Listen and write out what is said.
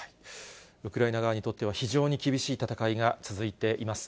ウクライナ側にとっては、非常に厳しい戦いが続いています。